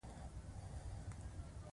هر سهار ځان ته پنځه خبرې وکړئ .